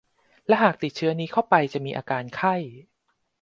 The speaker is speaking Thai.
และหากติดเชื้อนี้เข้าไปจะมีอาการไข้